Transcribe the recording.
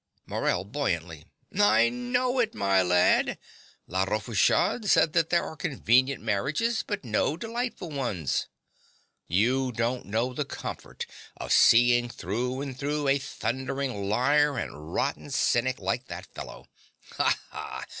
MORELL (buoyantly). I know it, my lad. La Rochefoucauld said that there are convenient marriages, but no delightful ones. You don't know the comfort of seeing through and through a thundering liar and rotten cynic like that fellow. Ha, ha!